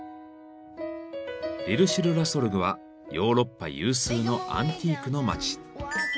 リル・シュル・ラ・ソルグはヨーロッパ有数のアンティークの街。